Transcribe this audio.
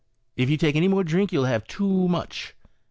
" If you take anymore drink you'll have too much."